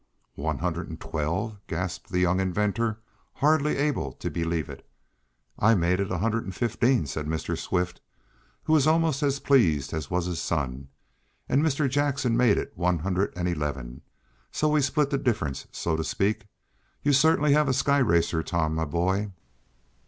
"One hundred and twelve!" gasped the young inventor, hardly able to believe it. "I made it a hundred and fifteen," said Mr. Swift, who was almost as pleased as was his son, "and Mr. Jackson made it one hundred and eleven; so we split the difference, so to speak. You certainly have a sky racer, Tom, my boy!"